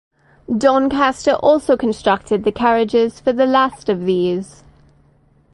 Doncaster also constructed the carriages for the last of these.